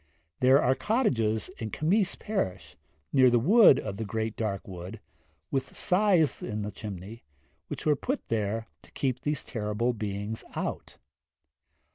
There are cottages in Cemmaes parish, near the Wood of the Great Dark Wood, with scythes in the chimneys, which were put there to keep these terrible beings out.